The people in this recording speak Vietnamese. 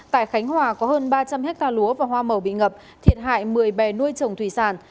tại khánh hòa có hơn ba trăm linh hectare lúa và hoa màu bị ngập thiệt hại một mươi bè nuôi trồng thủy sản